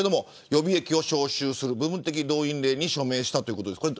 予備役を招集する部分的動員令に署名したということです。